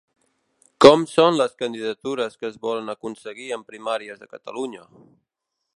Com són les candidatures que es volen aconseguir amb Primàries de Catalunya?